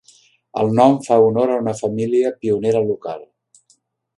El nom fa honor a una família pionera local.